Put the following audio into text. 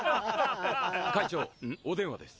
・会長お電話です。